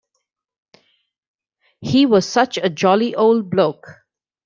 He was such a jolly old bloke.